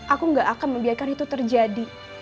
aku gak akan membiarkan itu terjadi